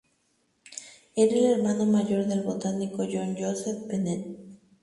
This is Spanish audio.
Era el hermano mayor del botánico John Joseph Bennett.